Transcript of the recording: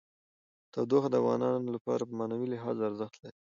تودوخه د افغانانو لپاره په معنوي لحاظ ارزښت لري.